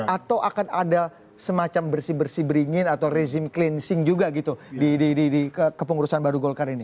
atau akan ada semacam bersih bersih beringin atau rezim cleansing juga gitu di kepengurusan baru golkar ini